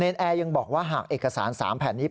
แอร์ยังบอกว่าหากเอกสาร๓แผ่นนี้